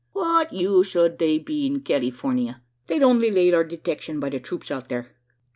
What use ud they be in Kalifornya? They'll only lade to our detiction by the throops out there."